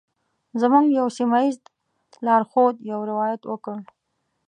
زموږ یوه سیمه ایز لارښود یو روایت وکړ.